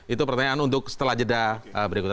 itu pertanyaan untuk setelah jeda berikutnya